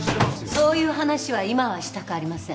そういう話は今はしたくありません。